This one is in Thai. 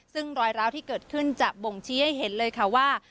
ซึ่งรอยร้าวที่เกิดขึ้นจะบ่งชี้ให้เห็นเลยค่ะว่า